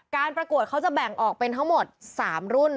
ประกวดเขาจะแบ่งออกเป็นทั้งหมด๓รุ่น